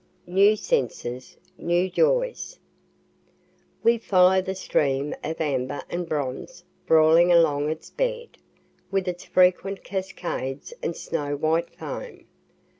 NEW SENSES: NEW JOYS We follow the stream of amber and bronze brawling along its bed, with its frequent cascades and snow white foam.